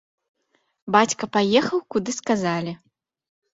Бацька паехаў, куды сказалі.